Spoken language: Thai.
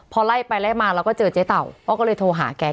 พอไล่ไปไล่มาแล้วก็เจอเจ๊เต่าพ่อก็เลยโทรหาแก